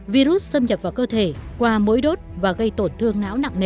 virus xâm nhập vào cơ thể qua mũi đốt và gây tổn thương